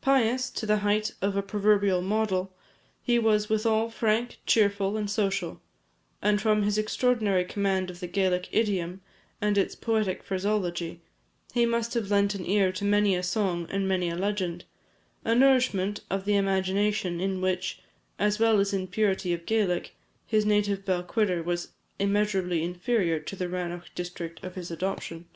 Pious, to the height of a proverbial model, he was withal frank, cheerful, and social; and from his extraordinary command of the Gaelic idiom, and its poetic phraseology, he must have lent an ear to many a song and many a legend a nourishment of the imagination in which, as well as in purity of Gaelic, his native Balquhidder was immeasurably inferior to the Rannoch district of his adoption.